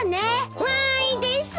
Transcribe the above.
わーいです。